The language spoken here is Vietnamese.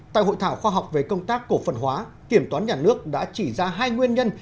tại hội thảo khoa học về công tác cổ phần hóa kiểm toán nhà nước đã chỉ ra hai nguyên nhân